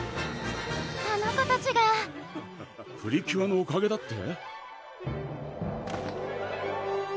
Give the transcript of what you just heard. あの子たちがプリキュアのおかげだって？